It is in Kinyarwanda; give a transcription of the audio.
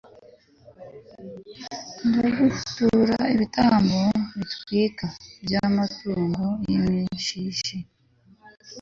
ndagutura ibitambo bitwikwa by'amatungo y'imishishe